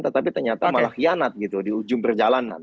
tetapi ternyata malah hianat gitu di ujung perjalanan